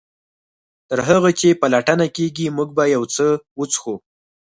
تر هغه چې پلټنه کیږي موږ به یو څه وڅښو